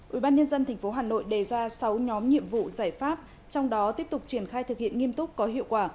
ủy ban nhân dân tp hà nội đề ra sáu nhóm nhiệm vụ giải pháp trong đó tiếp tục triển khai thực hiện nghiêm túc có hiệu quả